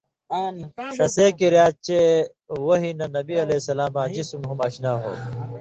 ݜسیں کِریا چے وحی نہ نبی علیہ السلاماں جسم ھُم اَشنا ہو۔